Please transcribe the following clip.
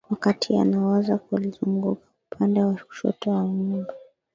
Wakati anawaza alizunguka upande wa kushoto wa nyumba